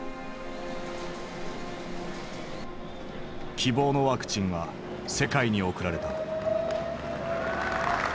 希望のワクチンは世界に送られた。